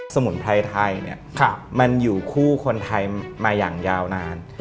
มุนไพรไทยเนี่ยมันอยู่คู่คนไทยมาอย่างยาวนาน